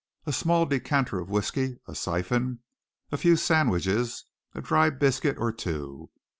A small decanter of whiskey, a syphon, a few sandwiches, a dry biscuit or two.